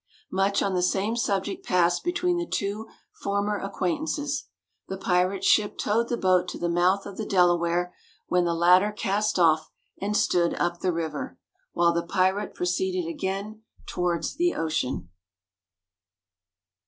Much on the same subject passed between the two former acquaintances. The pirates' ship towed the boat to the mouth of the Delaware, when the latter cast off and stood up the river, while the pirate proceeded again towards the ocean.